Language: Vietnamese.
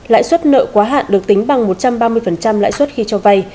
lãi suất nợ quá hạn được tính bằng một trăm ba mươi lãi suất khi cho vay